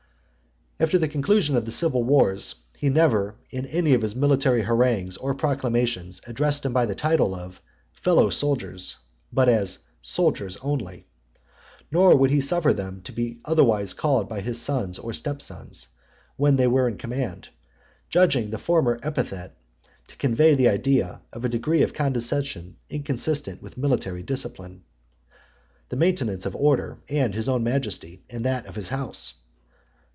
XXV. After the conclusion of the civil wars, he never, in any of his military harangues, or proclamations, addressed them by the title of "Fellow soldiers," but as "Soldiers" only. Nor would he suffer them to be otherwise called by his sons or step sons, when they were in command; judging the former epithet to convey the idea of a degree of condescension inconsistent with military discipline, the maintenance of order, and his own majesty, and that of his house.